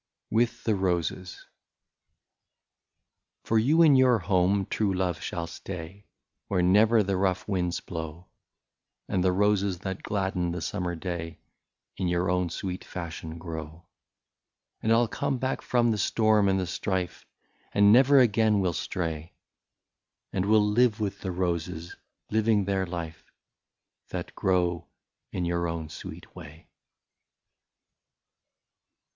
*' 76 WITH THE ROSES. " For you in your home, true love, shall stay, Where never the rough winds blow. And the roses that gladden the summer day, In your own sweet fashion grow. And I '11 come back from the storm and the strife, And never again will stray ; And we '11 live with the roses, living their life, That grow in your own sweet way."